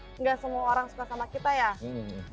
jadi sebagian followersnya kadang nge dm kayak ada baiknya ada nggak